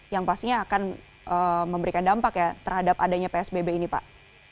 yang pastinya akan memberikan dampak ya terhadap adanya psbb ini pak